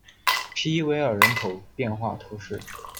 皮伊韦尔人口变化图示